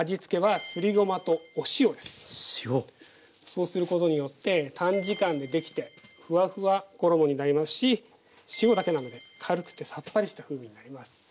そうすることによって短時間でできてフワフワ衣になりますし塩だけなので軽くてさっぱりした風味になります。